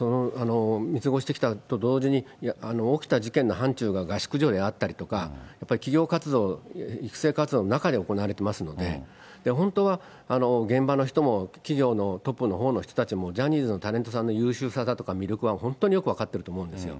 見過ごしてきたと同時に、起きた事件の範ちゅうが合宿所であったり、やっぱり企業活動、育成活動の中で行われてますので、本当は現場の人も、企業のトップのほうの人たちも、ジャニーズのタレントさんの優秀さだとか魅力は本当によく分かってると思うんですよ。